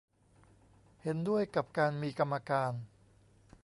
เห็นด้วยกับการมีกรรมการ